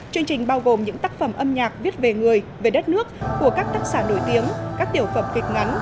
chương trình bao gồm những tác phẩm âm nhạc viết về người về đất nước của các tác giả nổi tiếng các tiểu phẩm kịch ngắn